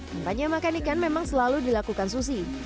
kampanye makan ikan memang selalu dilakukan susi